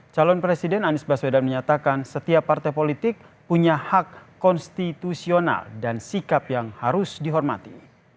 calon presiden anies baswedan menyatakan setiap partai politik punya hak konstitusional dan sikap yang harus dihormati